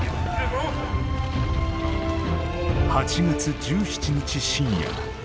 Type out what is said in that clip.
８月１７日深夜。